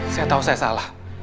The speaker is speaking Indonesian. saya tau saya salah